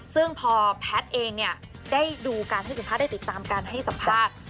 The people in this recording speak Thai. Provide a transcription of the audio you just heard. ซึ่งพอแพทย์เองเนี่ยได้ดูการให้สัมภาษณ์ได้ติดตามการให้สัมภาษณ์